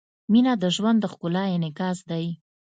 • مینه د ژوند د ښکلا انعکاس دی.